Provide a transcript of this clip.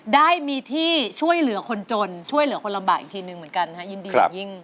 ได้มีที่ช่วยเหลือคนจนช่วยเหลือคนลำบากอีกทีหนึ่งเหมือนกันนะฮะยินดีอย่างยิ่ง